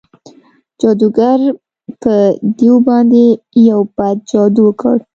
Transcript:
جادوګر په دیو باندې یو بد جادو وکړ.